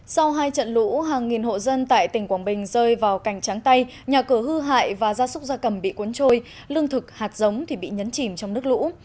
sau hai trận lũ hàng nghìn hộ dân tại tỉnh quảng bình rơi vào cảnh tráng tay nhà cửa hư hại và gia súc gia cầm bị cuốn trôi lương thực hạt giống thì bị nhấn chìm trong nước lũ